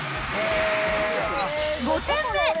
５点目。